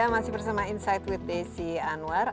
masih bersama insight with desi anwar